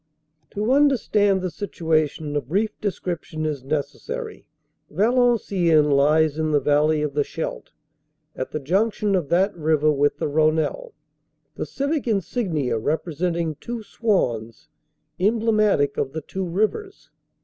To understand the situation a brief description is neces sary. Valenciennes lies in the valley of the Scheldt, at the junction of that river with the Rhonelle, the civic insignia representing two swans, emblematic of the two rivers.